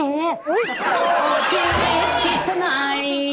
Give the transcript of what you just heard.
อุ๊ยอาชีพริเกย์คิดจะไหน